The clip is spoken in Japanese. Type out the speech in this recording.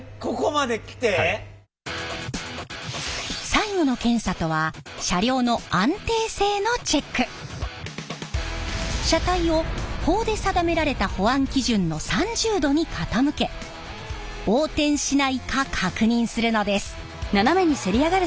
最後の検査とは車体を法で定められた保安基準の３０度に傾け横転しないか確認するのです。